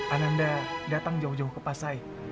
ananda datang jauh jauh ke pasai